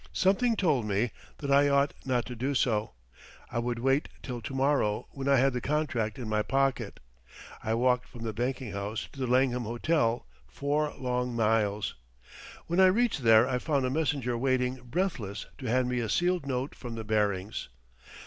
Something told me that I ought not to do so. I would wait till to morrow when I had the contract in my pocket. I walked from the banking house to the Langham Hotel four long miles. When I reached there I found a messenger waiting breathless to hand me a sealed note from the Barings.